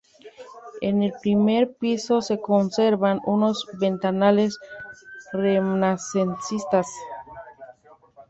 En el primer piso se conservan unos ventanales renacentistas.